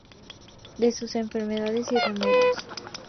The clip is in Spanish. De sus enfermedades y remedios".